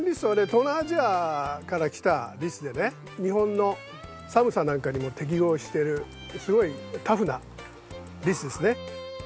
東南アジアから来たリスでね日本の寒さなんかにも適合してるすごいタフなリスですね。